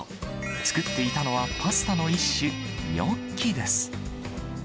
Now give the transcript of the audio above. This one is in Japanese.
作っていたのはパスタの一種、ニョッキです。